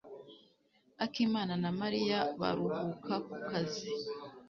akimana na Mariya baruhuka ku kazi.